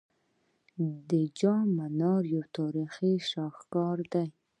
د جام منار یو تاریخي شاهکار دی